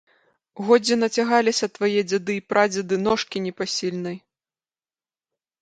Годзе нацягаліся твае дзяды і прадзеды ношкі непасільнай!